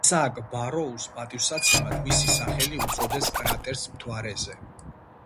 ისააკ ბაროუს პატივსაცემად მისი სახელი უწოდეს კრატერს მთვარეზე.